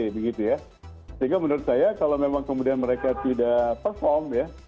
sehingga menurut saya kalau memang kemudian mereka tidak perform ya